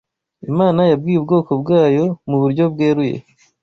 Imana yabwiye ubwoko bwayo mu buryo bweruye